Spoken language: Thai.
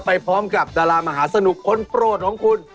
ไปพร้อมกับดารามหาสนุกคนโปรดของคุณ